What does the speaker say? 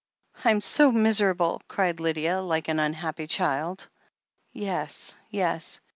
Tm so miserable!'' cried Lydia, like an unhappy child. "Yes — ^yes.